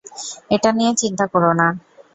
এটা নিয়ে চিন্তা কোরো না।